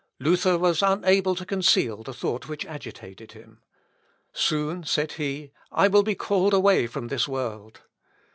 Luther was unable to conceal the thought which agitated him. "Soon," said he, "I will be called away from this world."